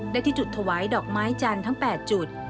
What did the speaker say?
ได้ที่จุดถวายดอกไม้จันทร์ทั้ง๘จุด